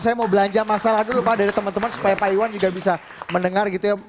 saya mau belanja masalah dulu pak dari teman teman supaya pak iwan juga bisa mendengar gitu ya